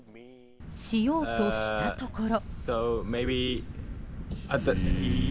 しようとしたところ。